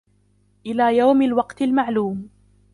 إلى يوم الوقت المعلوم